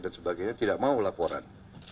dan sebagainya tidak mau laporan